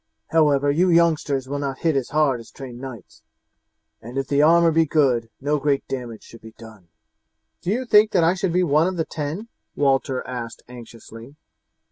However, you youngsters will not hit as hard as trained knights; and if the armour be good, no great damage should be done." "Do you think that I shall be one of the ten?" Walter asked anxiously.